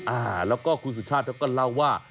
อ่าแล้วก็คุณสุชาติเขาก็เล่าว่า